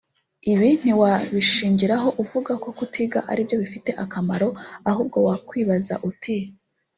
Ibi ntiwabishingiraho uvuga ko kutiga aribyo bifite akamaro ahubwo wakwibaza uti